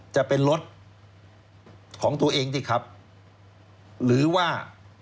จะเป็นรถของตัวเองที่ขับหรือว่า